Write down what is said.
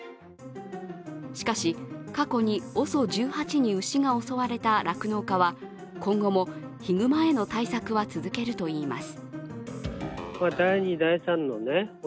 しかし、過去にＯＳＯ１８に牛が襲われた酪農家は今後もヒグマへの対策は続けるといいます。